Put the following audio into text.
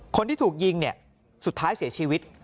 คนที่ถูกยิงเนี่ยสุดท้ายเสียชีวิต